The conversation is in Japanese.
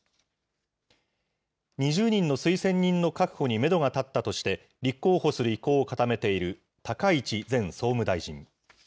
２０人の推薦人の確保にメドが立ったとして、立候補する意向を固めている高市前総務大臣。